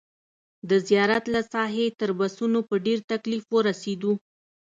د زیارت له ساحې تر بسونو په ډېر تکلیف ورسېدو.